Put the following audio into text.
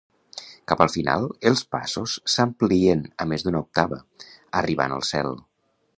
Cap al final, els passos s' amplien a més d'una octava, arribant al Cel.